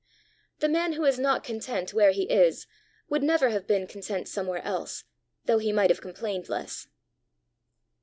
The man who is not content where he is, would never have been content somewhere else, though he might have complained less.